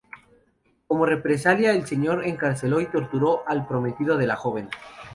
Como represalia, el Señor encarceló y torturó al prometido de la joven.